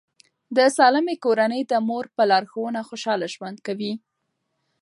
د سالمې کورنۍ د مور په لارښوونه خوشاله ژوند کوي.